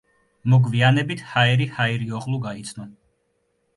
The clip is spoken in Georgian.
მოგვიანებით ჰაირი ჰაირიოღლუ გაიცნო.